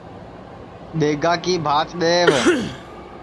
دؔیگا کی بھاچ دؔیو